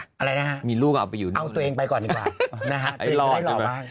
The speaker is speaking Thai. อะไรนะคะเอาตัวเองไปก่อนก่อนนะคะตัวเองจะได้หลอดที่วัน